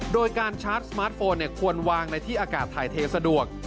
โดยการชาร์จสมาร์ทโฟนควรวางในที่อากาศถ่ายเทสะดวก